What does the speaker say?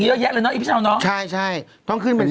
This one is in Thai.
เยอะแยะเลยเนอีพี่เช้าเนอะใช่ใช่ต้องขึ้นเป็น